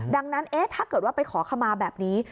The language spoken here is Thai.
ดังนั้นถ้าเกิดว่าไปขอขมาแบบนี้